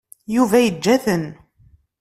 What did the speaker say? Yuba yeǧǧa-ten.